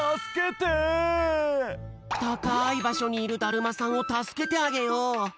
たかいばしょにいるだるまさんをたすけてあげよう！